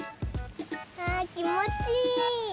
あきもちいい。